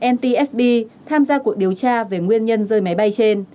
ntsb tham gia cuộc điều tra về nguyên nhân rơi máy bay trên